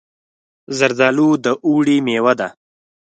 زردالو د اوړي مېوه ده.